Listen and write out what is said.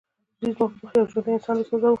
دوی زما په مخ کې یو ژوندی انسان وسوځاوه